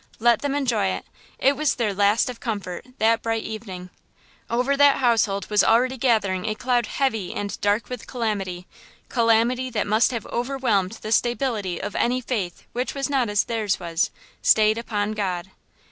Let them enjoy it! It was their last of comfort–that bright evening! Over that household was already gathering a cloud heavy and dark with calamity–calamity that must have overwhelmed the stability of any faith which was not as theirs was–stayed upon God.